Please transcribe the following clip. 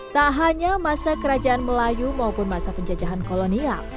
tak hanya masa kerajaan melayu maupun masa penjajahan kolonial